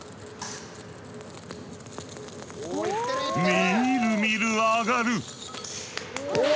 みるみる上がる！